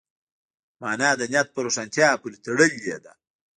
مانا د نیت په روښانتیا پورې تړلې ده.